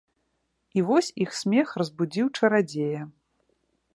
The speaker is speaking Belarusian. І вось іх смех разбудзіў чарадзея.